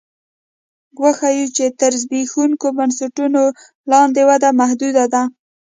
وښیو چې تر زبېښونکو بنسټونو لاندې وده محدوده ده